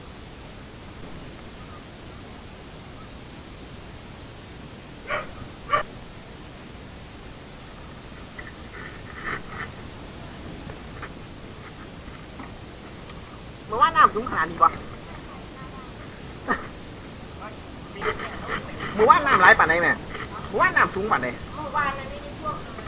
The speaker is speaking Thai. เพราะว่าน่ำสูงบ่านเนี่ย